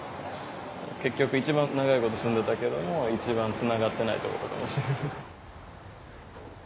結局一番長いこと住んでたけども一番つながってない所かも。